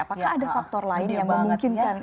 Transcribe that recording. apakah ada faktor lain yang memungkinkan